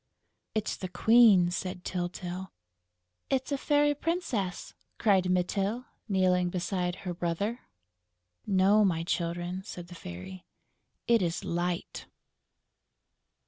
"It's the Queen!" said Tyltyl. "It's a Fairy Princess!" cried Mytyl, kneeling beside her brother. "No, my Children," said the Fairy. "It is Light!"